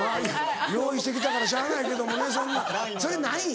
用意してきたからしゃあないけどそんなそれ何位？